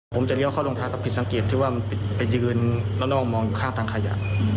ผมจะเลี้ยวเข้ารองคะกับผลสังเกตที่ว่ามันไปยืนแล้วนายมองอยู่ข้างทางขยะ